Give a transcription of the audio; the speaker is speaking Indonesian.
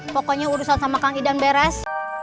pokoknya urusan sama kang idang beres